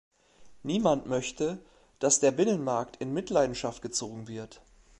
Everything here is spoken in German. Niemand möchte, dass der Binnenmarkt in Mitleidenschaft gezogen wird.